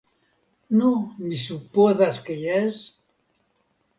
Nu, mi supozas ke jes?